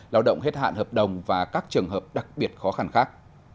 lao động hết hạn hợp đồng và các trường hợp đặc biệt khó khăn khác